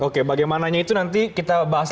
oke bagaimananya itu nanti kita bahas